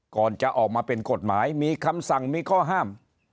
ก่อนจะออกมาเป็นกฎหมายมีคำสั่งมีข้อห้าม